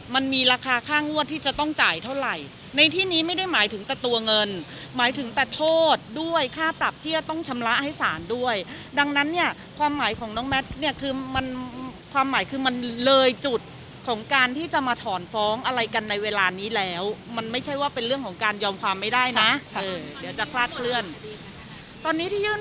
มันมีราคาค่างวดที่จะต้องจ่ายเท่าไหร่ในที่นี้ไม่ได้หมายถึงแต่ตัวเงินหมายถึงแต่โทษด้วยค่าปรับที่จะต้องชำระให้ศาลด้วยดังนั้นเนี่ยความหมายของน้องแมทเนี่ยคือมันความหมายคือมันเลยจุดของการที่จะมาถอนฟ้องอะไรกันในเวลานี้แล้วมันไม่ใช่ว่าเป็นเรื่องของการยอมความไม่ได้นะเดี๋ยวจะคลาดเคลื่อนตอนนี้ที่ยื่น